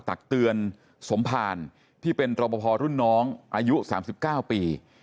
ตักเตือนสมภารที่เป็นโตปพอร์รุ่นน้องอายุสามสิบเก้าปี